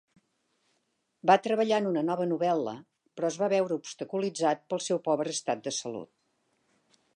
Va treballar en una nova novel·la, però es va veure obstaculitzat per al seu pobre estat de salut.